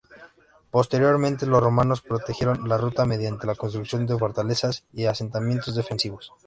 Posteriormente los romanos protegieron la ruta mediante la construcción de fortalezas y asentamientos defensivos.